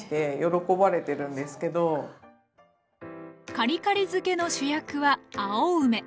カリカリ漬けの主役は青梅。